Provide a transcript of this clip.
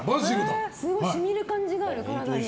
体に染みる感じがある。